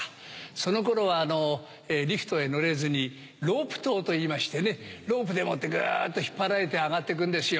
その頃はリフトへ乗れずにロープ塔といいましてねロープでもってグっと引っ張られて上がってくんですよ。